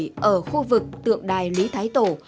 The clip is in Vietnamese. trong khu vực tượng đài lý thái tổ